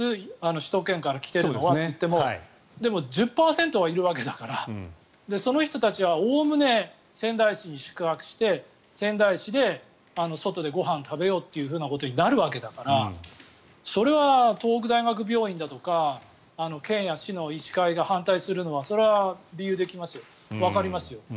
首都圏から来ているのはと言ってもでも、１０％はいるわけだからその人たちはおおむね仙台市に宿泊して仙台市で外でご飯を食べようというようなことになるわけだからそれは東北大学病院だとか県や市の医師会が反対するのは理由わかりますよ。